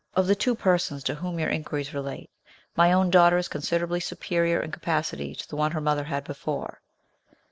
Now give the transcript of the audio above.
Of the two persons to whom your inquiries relate, my own daughter is considerably superior in capacity to the one her mother had before.